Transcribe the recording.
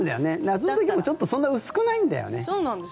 夏の時もちょっとそんな薄くないんだよね。